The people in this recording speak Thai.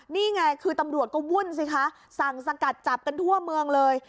นี่ไงคือตำรวจก็วุ่นสิคะสั่งสกัดจับกันทั่วเมืองเลย